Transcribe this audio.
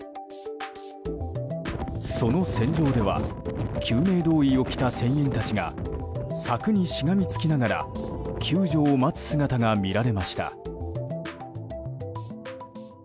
その船上では救命胴衣を着た船員たちが柵にしがみつきながら救助を待つ姿が見られました。